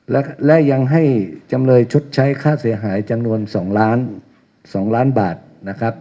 และและยังให้จำเลยชดใช้ค่าเสียหายจำนวนสองล้านสองล้านบาทนะครับ